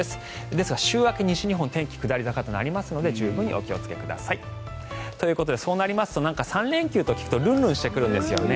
ですが週明け、西日本天気下り坂となりますので十分にお気をつけください。ということで、そうなりますと３連休と聞くとるんるんしてくるんですよね。